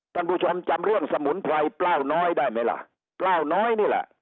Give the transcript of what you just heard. ท่านผู้ชมจำเรื่องสมุนไพรเปล้าน้อยได้ไหมล่ะเปล้าน้อยนี่แหละ